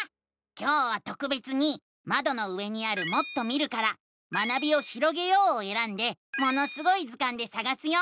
今日はとくべつにまどの上にある「もっと見る」から「学びをひろげよう」をえらんで「ものすごい図鑑」でさがすよ。